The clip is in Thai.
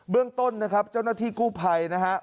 เรื่องต้นนะครับเจ้าหน้าที่กู้ภัยนะฮะ